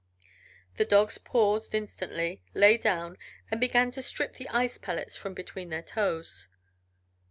The dogs paused instantly, lay down, and began to strip the ice pellets from between their toes.